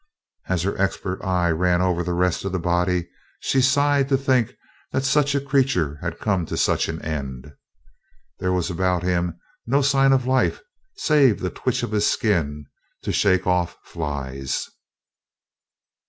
As her expert eye ran over the rest of the body she sighed to think that such a creature had come to such an end. There was about him no sign of life save the twitch of his skin to shake off flies.